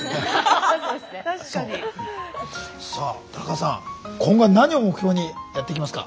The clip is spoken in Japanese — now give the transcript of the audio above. さあ田中さん今後は何を目標にやっていきますか。